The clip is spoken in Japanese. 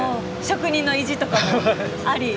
職人の意地とかもあり。